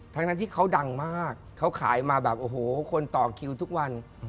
ทั้งที่เขาดังมากเขาขายมาแบบโอ้โหคนต่อคิวทุกวัน